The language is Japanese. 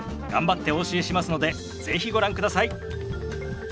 頑張ってお教えしますので是非ご覧ください。